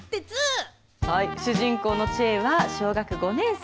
主人公のチエは小学５年生。